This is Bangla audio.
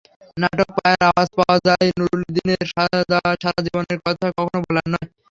নাটক পায়ের আওয়াজ পাওয়া যায়, নুরুলদীনের সারা জীবনের কথা কখনো ভোলার নয়।